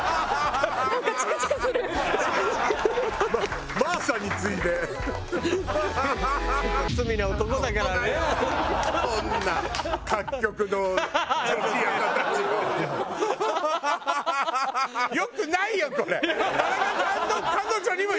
ハハハハ！